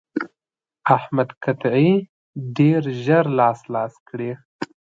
احمد قطعې ډېر ژر لاس لاس کړې.